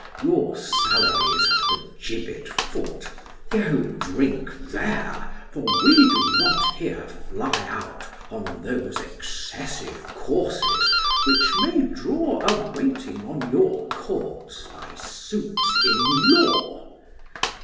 Your salary is at the gibbet foot: Go drink there! for we do not here fly out On those excessive courses, which may draw A waiting on your courts by suits in law.